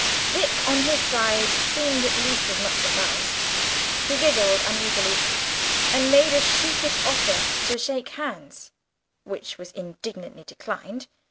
Dick on his side seemed at least as much embarrassed. He giggled uneasily, and made a sheepish offer to shake hands, which was indignantly declined.